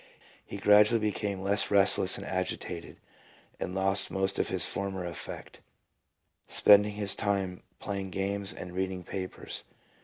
He gradually became less restless and agitated, and lost most of his former affect, spending his time playing games and reading papers.